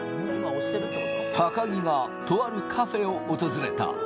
高木がとあるカフェを訪れた。